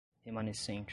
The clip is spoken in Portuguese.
remanescente